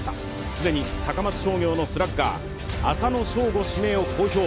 既に高松商業のスラッガー浅野翔吾指名を公表。